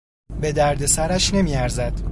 به دردسرش نمیارزد.